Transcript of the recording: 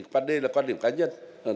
vấn đề là quan điểm cá nhân